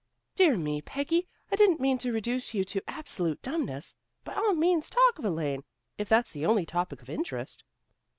"Dear me, Peggy, I didn't mean to reduce you to absolute dumbness. By all means talk of Elaine, if that's the only topic of interest."